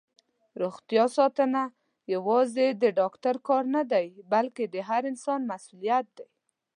دروغتیا ساتنه یوازې د ډاکټر کار نه دی، بلکې د هر انسان مسؤلیت دی.